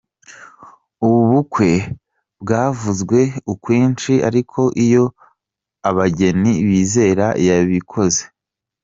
Ubu bukwe bwavuzwe ukwinshi ariko ‘iyo abageni bizera yabikoze’.